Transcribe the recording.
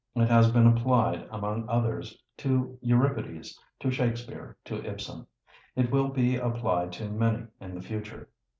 It has been applied, among others, to Euripides, to Shakespeare, to Ibsen; it will be applied to many in the future.